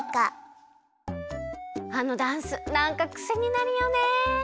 あのダンスなんかクセになるよね。